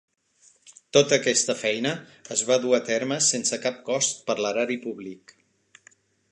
Tota aquesta feina es va dur a terme sense cap cost per l'erari públic.